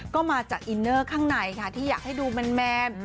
ก็มาจากอินเนอร์ข้างในค่ะที่อยากให้ดูแมน